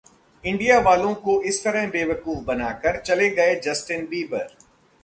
इंडियावालों को इस तरह बेवकूफ बनाकर चले गए जस्टिन बीबर